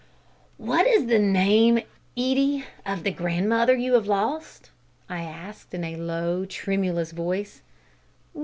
"What is the name, Edie, of the grandmother you have lost?" I asked, in a low, tremulous voice.